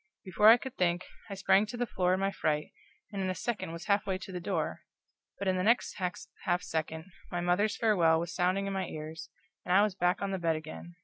Before I could think, I sprang to the floor in my fright, and in a second was half way to the door; but in the next half second my mother's farewell was sounding in my ears, and I was back on the bed again.